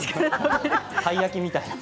たい焼きみたいな。